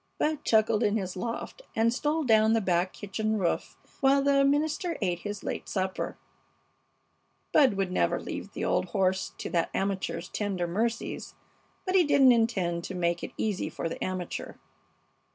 Bud chuckled in his loft and stole down the back kitchen roof while the minister ate his late supper. Bud would never leave the old horse to that amateur's tender mercies, but he didn't intend to make it easy for the amateur.